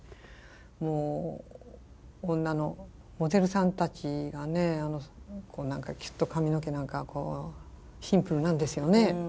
もう女のモデルさんたちがね何かキュッと髪の毛なんかシンプルなんですよね。